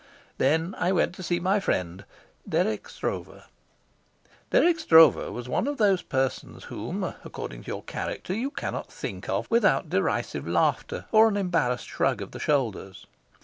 Then I went to see my friend Dirk Stroeve. Dirk Stroeve was one of those persons whom, according to your character, you cannot think of without derisive laughter or an embarrassed shrug of the shoulders.